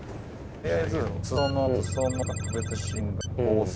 えっ！？